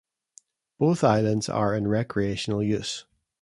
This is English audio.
Both islands are in recreational use.